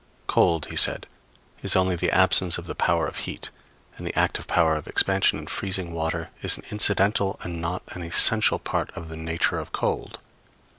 Cold, he said, is only the absence of the power of heat, and the active power of expansion in freezing water is an incidental and not an essential part of the nature of cold.